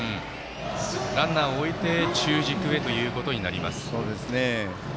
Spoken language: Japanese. ランナーを置いて中軸へとなります。